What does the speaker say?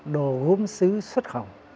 đồ gốm xứ xuất khẩu